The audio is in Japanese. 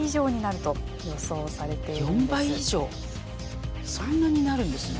４倍以上そんなになるんですね。